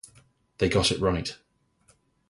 They got it right.